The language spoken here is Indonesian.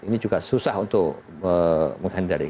ini juga susah untuk menghindari